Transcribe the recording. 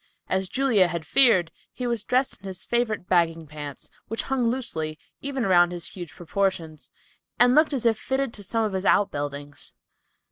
As Julia had feared, he was dressed in his favorite bagging pants, which hung loosely, even around his huge proportions, and looked as if fitted to some of his outbuildings.